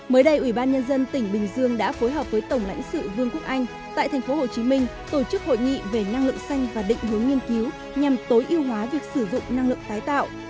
mới đây ủy ban nhân dân tỉnh bình dương đã phối hợp với tổng lãnh sự vương quốc anh tại thành phố hồ chí minh tổ chức hội nghị về năng lượng xanh và định hướng nghiên cứu nhằm tối ưu hóa việc sử dụng năng lượng tái tạo